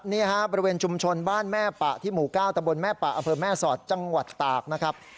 นี่ฮะบริเวณชุมชนบ้านแม่ปะที่หมู่๙ตะบนแม่ปะอำเภอแม่สอดจังหวัดตากนะครับ